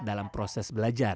dalam proses belajar